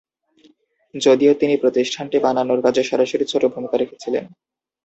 যদিও তিনি প্রতিষ্ঠানটি বানানোর কাজে সরাসরি ছোটো ভূমিকা রেখেছিলেন।